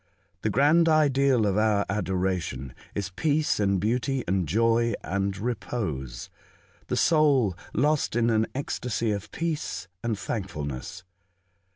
The grand ideal of our adoration is peace and beauty and joy and repose — the soul lost in an ecstasy of peace and thankfulness.